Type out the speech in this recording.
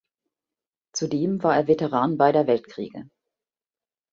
Zudem war er Veteran beider Weltkriege.